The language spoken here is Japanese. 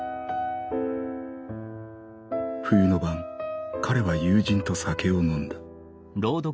冬の晩彼は友人と酒を飲んだ。